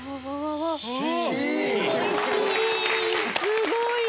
すごい！